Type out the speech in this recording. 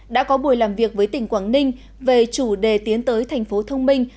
đã có buổi làm việc với tỉnh quảng ninh về chủ đề tiến tới thành phố thông minh